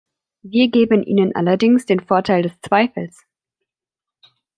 Wir geben Ihnen allerdings den Vorteil des Zweifels.